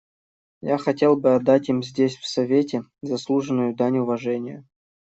Я хотел бы отдать им здесь, в Совете, заслуженную дань уважения.